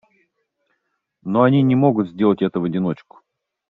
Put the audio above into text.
Но они не могут сделать этого в одиночку.